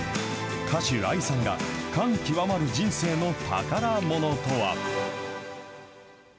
歌手、ＡＩさんが感極まる人生の宝ものとは。